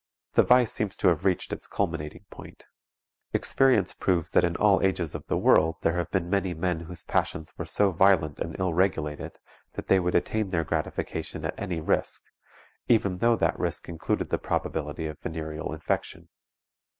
The vice seems to have reached its culminating point. Experience proves that in all ages of the world there have been many men whose passions were so violent and so ill regulated that they would attain their gratification at any risk, even though that risk included the probability of venereal infection.